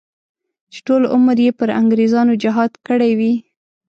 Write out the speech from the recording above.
چې ټول عمر یې پر انګریزانو جهاد کړی وي.